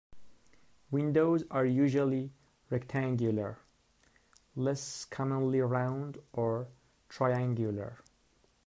Windows are usually rectangular, less commonly round or triangular.